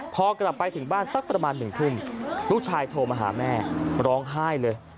พอกลับไปถึงบ้านสักประมาณ๑ทุ่มลูกชายโทรมาหาแม่ร้องไห้เลย